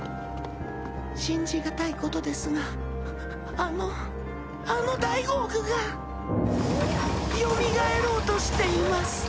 信じがたいことですがあのあのダイゴーグがよみがえろうとしています！